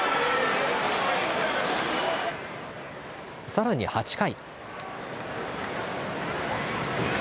さらに８回。